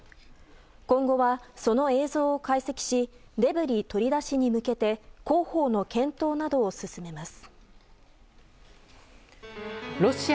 今後は、その映像を解析しデブリ取り出しに向けて工法の検討などを進めます。